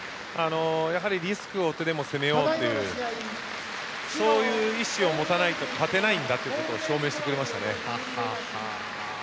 リスクを負ってでも攻めようというそういう意思を持たないと勝てないということを証明してくれましたね。